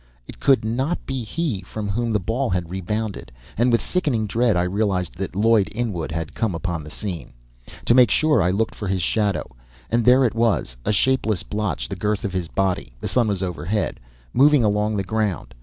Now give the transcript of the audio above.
It could not be he from whom the ball had rebounded, and with sickening dread I realized that Lloyd Inwood had come upon the scene. To make sure, I looked for his shadow, and there it was, a shapeless blotch the girth of his body, (the sun was overhead), moving along the ground.